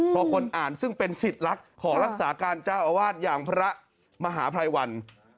พอคนอ่านซึ่งเป็นสิทธิ์ลักษณ์ของรักษาการเจ้าอาวาสอย่างพระมหาภัยวัน